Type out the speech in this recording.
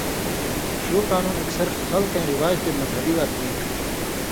ݜُو قانُون اکثر خلکَیں رِواج تے مذہبی وات بی تُھو۔